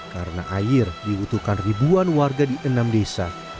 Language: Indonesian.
karena air diutuhkan ribuan warga di enam desa